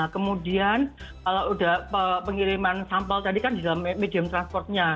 kemudian kalau sudah pengiriman sampel tadi kan di dalam medium transportnya